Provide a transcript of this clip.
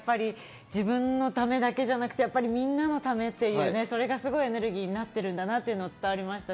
自分のためだけじゃなく、みんなのためっていう、それがすごいエネルギーになってるんだなって伝わりました。